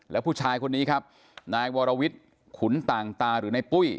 แล้วผู้ชายคนนี้ครับนายวรวิทย์ขุนต่างตาหรือในปุ้ย